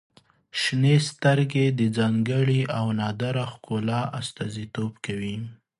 • شنې سترګې د ځانګړي او نادره ښکلا استازیتوب کوي.